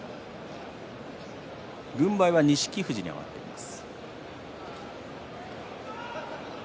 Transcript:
軍配は錦富士に上がっています。